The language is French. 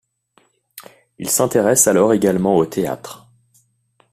Il s'intéresse alors également au théâtre.